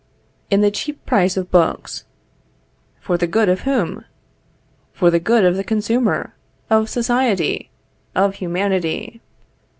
In the cheap price of books. For the good of whom? For the good of the consumer, of society, of humanity.